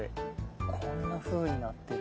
こんなふうになってる。